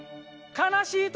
悲しい時。